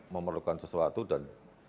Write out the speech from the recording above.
memerlukan sesuatu dan